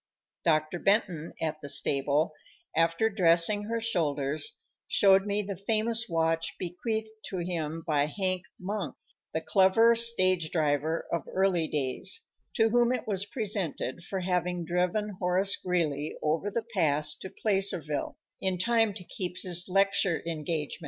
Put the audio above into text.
Dr. Benton, at the stable, after dressing her shoulders, showed me the famous watch bequeathed to him by Hank Monk, the clever stage driver of early days, to whom it was presented for having driven Horace Greeley over the pass to Placerville, in time to keep his lecture engagement.